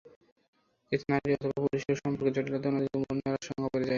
এতে নারী অথবা পুরুষের সম্পর্কের জটিলতা অন্যদিকে মোড় নেওয়ার আশঙ্কা বেড়ে যায়।